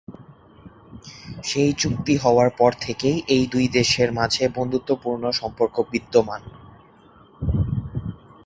সেই চুক্তি হওয়ার পর থেকেই এই দুই দেশের মাঝে বন্ধুত্বপূর্ণ সম্পর্ক বিদ্যমান।